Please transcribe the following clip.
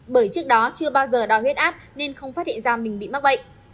bởi trước đó chưa bao giờ đòi huyết áp nên không phát hiện ra mình bị mắc bệnh